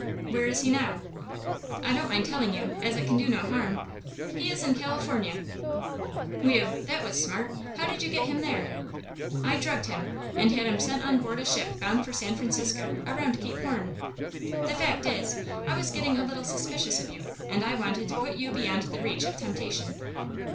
"Where is he now?" "I don't mind telling you, as it can do no harm. He is in California." "Whew! That was smart. How did you get him there?" "I drugged him, and had him sent on board a ship bound for San Francisco, around Cape Horn. The fact is, I was getting a little suspicious of you, and I wanted to put you beyond the reach of temptation."